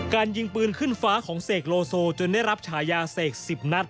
ยิงปืนขึ้นฟ้าของเสกโลโซจนได้รับฉายาเสก๑๐นัด